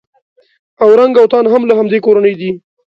اورنګ اوتان هم له همدې کورنۍ دي.